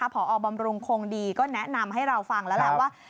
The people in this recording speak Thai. พอบำรุงคงดีก็แนะนำให้เราฟังแล้วแหละว่า